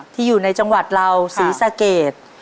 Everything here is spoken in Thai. อยู่ในจังหวัดเราศรีสะเกด